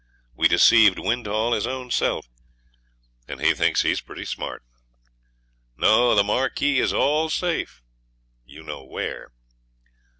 We deceived Windhall his own self, and he thinks he's pretty smart. No! the Marquis is all safe you know where.'